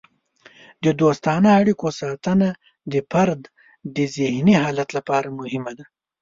د دوستانه اړیکو ساتنه د فرد د ذهني حالت لپاره مهمه ده.